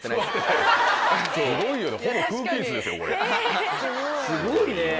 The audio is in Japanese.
すごいね。